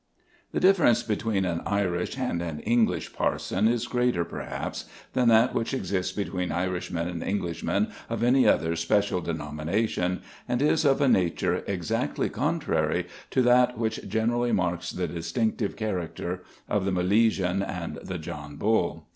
The difference between an Irish and an English parson is greater, perhaps, than that which exists between Irishmen and Englishmen of any other special denomination, and is of a nature exactly contrary to that which generally marks the distinctive character of the Milesian and the John Bull.